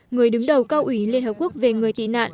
người đứng đầu cao ủy liên hợp quốc về người tị nạn